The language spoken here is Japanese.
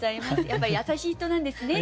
やっぱ優しい人なんですね。